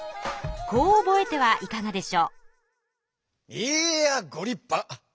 こう覚えてはいかがでしょう？